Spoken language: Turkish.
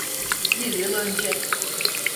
Bir yıl önce.